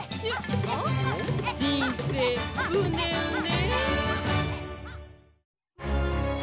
じんせいうねうね。